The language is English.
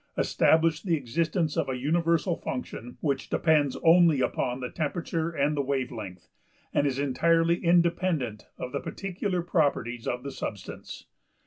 }, established the existence of a universal function, which depends only upon the temperature and the wave length, and is entirely independent of the particular properties of the substance.